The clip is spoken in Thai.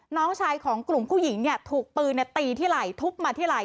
น้องชายของกลุ่มผู้หญิงเนี่ยถูกปืนตีที่ไหล่ทุบมาที่ไหล่